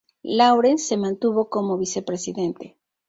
Lawrence se mantuvo como vicepresidente.